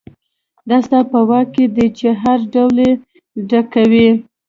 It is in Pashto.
دا ستا په واک کې دي چې هر ډول یې ډکوئ.